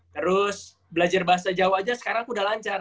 terus belajar bahasa jawa aja sekarang udah lancar